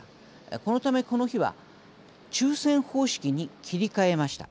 このため、この日は抽せん方式に切り替えました。